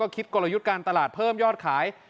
การตลาดเพิ่มยอดขาย